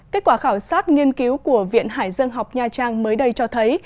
kết quả khảo sát nghiên cứu của viện hải dân học nha trang mới đây cho thấy